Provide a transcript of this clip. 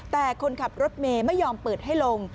แต่คนขับรถเมย์ไม่ยอมเปิดให้ลง